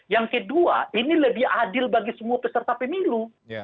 yang kedua ini lebih adil bagi semua peserta pemilu